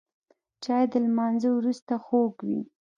چای د لمانځه وروسته خوږ وي